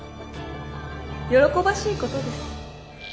喜ばしいことです。